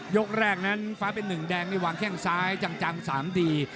ยกแรกนั้นฟ้าเป็นหนึ่งแดงนี่วางแข้งซ้ายจัง๓ที